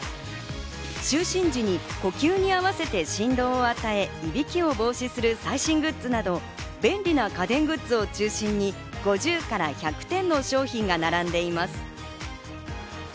就寝時に呼吸に合わせて振動を与え、いびきを防止する最新グッズなど便利な家電グッズを中心に５０から１００点の商品が並んでいます。